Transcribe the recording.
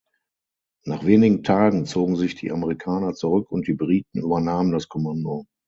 Nach wenigen Tagen zogen sich die Amerikaner zurück, und die Briten übernahmen das Kommando.